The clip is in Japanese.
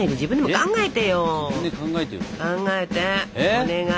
考えてお願い。